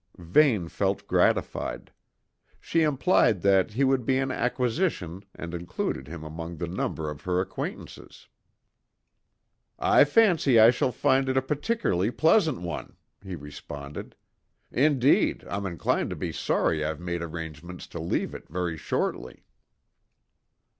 Vane felt gratified. She implied that he would be an acquisition and included him among the number of her acquaintances. "I fancy I shall find it a particularly pleasant one," he responded. "Indeed, I'm inclined to be sorry I've made arrangements to leave it very shortly."